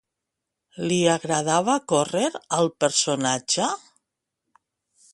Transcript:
Li agradava córrer al personatge?